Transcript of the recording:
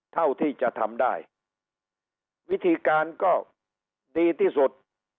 เท่าที่จะทำได้วิธีการก็ดีที่สุด